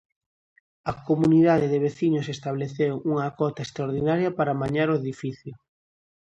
A comunidade de veciños estableceu unha cota extraordinaria para amañar o edificio.